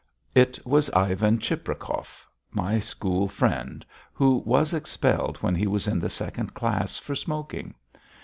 It was Ivan Cheprakov, my school friend, who was expelled, when he was in the second class, for smoking.